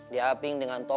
diaping dengan allah swt